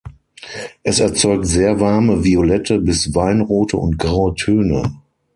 Es erzeugt sehr warme violette bis weinrote und graue Töne.